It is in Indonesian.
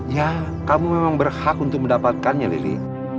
ya kamu memang berhak untuk mendapatkannya lili